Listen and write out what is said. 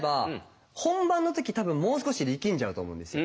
本番の時多分もう少し力んじゃうと思うんですよ。